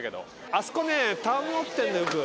あそこねたむろってんのよく。